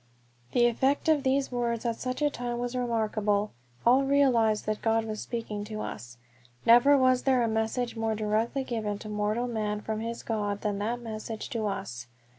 The effect of these words at such a time was remarkable. All realized that God was speaking to us. Never was there a message more directly given to mortal man from his God than that message to us.